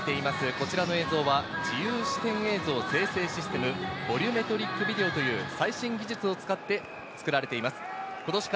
こちらの映像は自由視点映像生成システム、ボリュメトリックビデオという最新技術を使って作られています。